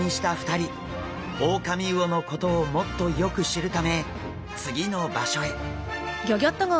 オオカミウオのことをもっとよく知るため次の場所へ。